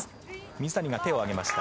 水谷が手を上げました。